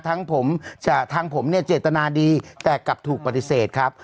ทางผมเนี่ยเจตนาดีแต่กลับถูกปฏิเสธครับ